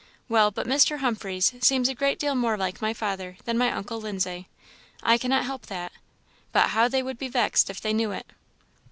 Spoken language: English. Well, but Mr. Humphreys seems a great deal more like my father than my uncle Lindsay. I cannot help that, but how they would be vexed if they knew it?"